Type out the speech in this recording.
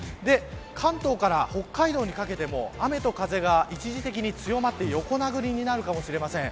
関東から北海道にかけても雨と風が一時的に強まって横殴りになるかもしれません。